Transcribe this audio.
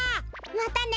またね！